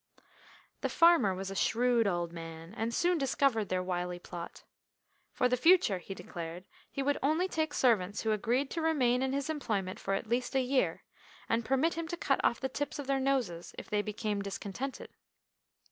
The farmer was a shrewd old man, and soon discovered their wily plot. For the future, he declared, he would only take servants who agreed to remain in his employment for at least a year, and permit him to cut off the tips of their noses if they became discontented.